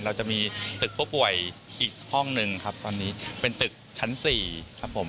เราจะมีตึกผู้ป่วยอีกห้องหนึ่งครับตอนนี้เป็นตึกชั้น๔ครับผม